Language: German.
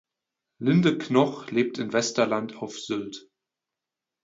Linde Knoch lebt in Westerland auf Sylt.